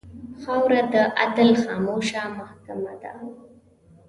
خاوره د عدل خاموشه محکمـه ده.